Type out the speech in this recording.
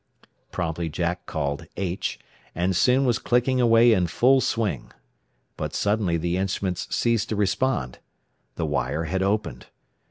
Promptly Jack called "H," and soon was clicking away in full swing. But suddenly the instruments ceased to respond. The wire had "opened."